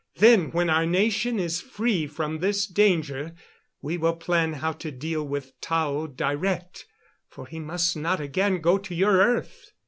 Then, when our nation is free from this danger, we will plan how to deal with Tao direct, for he must not again go to your earth.